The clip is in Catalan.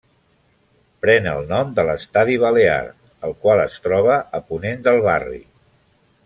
Pren el nom de l'Estadi Balear, el qual es troba a ponent del barri.